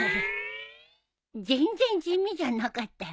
全然地味じゃなかったよ。